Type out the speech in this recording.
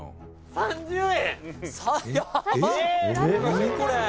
３０円。